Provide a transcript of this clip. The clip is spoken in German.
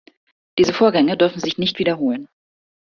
Diese Vorgänge dürfen sich nicht wiederholen.